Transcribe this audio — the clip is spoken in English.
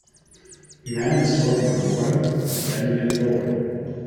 Man is talking on mobile, standing in a doorway.